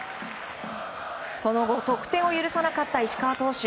その後、得点を許さなかった石川投手。